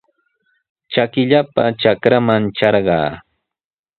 Trakillapa trakraman trarqaa.